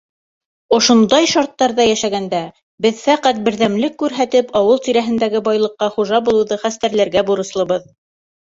Ошондай шарттарҙа йәшәгәндә, беҙ фәҡәт берҙәмлек күрһәтеп, ауыл тирәһендәге байлыҡҡа хужа булыуҙы хәстәрләргә бурыслыбыҙ.